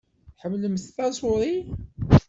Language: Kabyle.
Tḥemmlemt taẓuṛi?